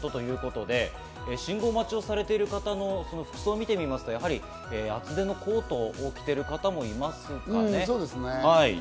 信号待ちをされている方の服装を見てみると、厚手のコートを着ている方もいますかね。